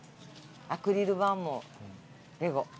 アクリル板もレゴ。